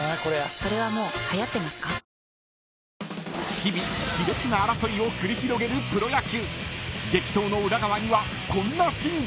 ［日々熾烈な争いを繰り広げるプロ野球］